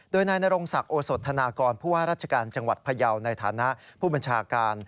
โดยนายนรงศักดิ์โอสธนากรผู้ว่าราชการจังหวัดพยาวในฐานะผู้บัญชาการ